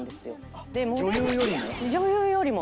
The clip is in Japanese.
女優よりも？